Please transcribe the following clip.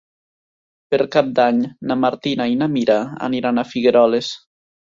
Per Cap d'Any na Martina i na Mira aniran a Figueroles.